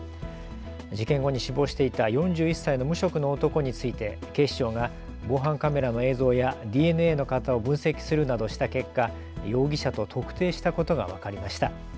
事件後に死亡していた４１歳の無職の男について警視庁が防犯カメラの映像やＤＮＡの型を分析するなどした結果、容疑者と特定したことが分かりました。